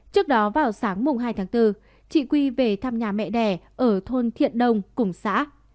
trước đó vào sáng hai tháng bốn chị quy về thăm nhà mẹ đẻ ở thôn thiện đông cùng xã